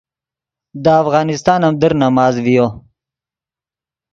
دے افغانستان ام در نماز ڤیو